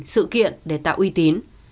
sự kiện để tạo uy tín